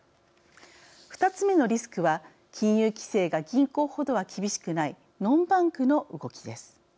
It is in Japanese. ２つ目のリスクは金融規制が銀行ほどは厳しくないノンバンクの動きです。